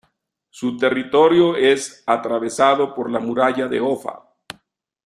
Su territorio es atravesado por la muralla de Offa.